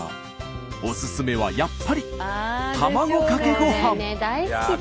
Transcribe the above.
オススメはやっぱり卵かけごはん。